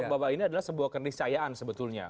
bahwa ini adalah sebuah keniscayaan sebetulnya